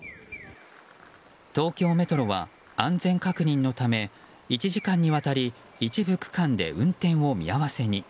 東京メトロは安全確認のため、１時間にわたり一部区間で運転を見合わせに。